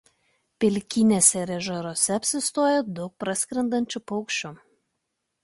Pelkynėse ir ežerėliuose apsistoja daug praskrendančių paukščių.